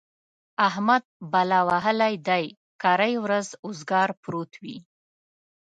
احمد بلا وهلی دی؛ کرۍ ورځ اوزګار پروت وي.